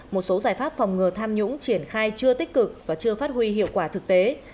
một số giải pháp phòng ngừa tham nhũng triển khai chưa tích cực và chưa phát huy hiệu quả thực tế